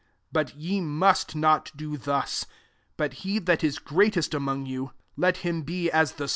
26 But ye mu»t not do thus : but he that is greatest among you, let him be as the • 6r.